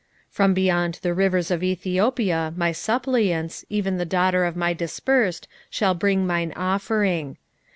3:10 From beyond the rivers of Ethiopia my suppliants, even the daughter of my dispersed, shall bring mine offering.